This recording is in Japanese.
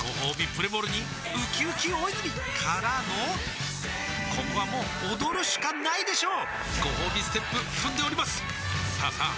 プレモルにうきうき大泉からのここはもう踊るしかないでしょうごほうびステップ踏んでおりますさあさあ